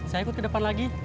saya ikut ke depan lagi